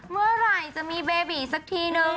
เมื่อไหร่จะมีเบบีสักทีนึง